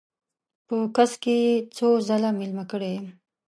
په کڅ کې یې څو ځله میلمه کړی یم.